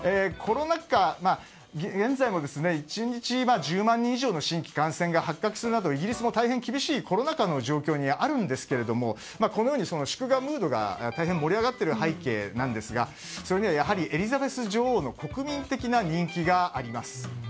コロナ禍、現在も１日１０万人以上の新規感染が発覚するなどイギリスも大変厳しいコロナ禍の状況にあるんですけれどもこのように祝賀ムードがたいへん盛り上がっている背景なんですがそれにはエリザベス女王の国民的な人気があります。